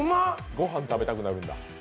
ごはん食べたくなるんだ？